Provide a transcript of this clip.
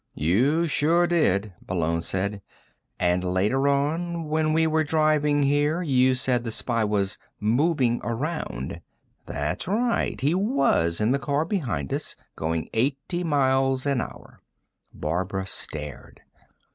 "You sure did!" Malone said. "And later on, when we were driving here, you said the spy was 'moving around.' That's right; he was in the car behind us, going eighty miles an hour." Barbara stared.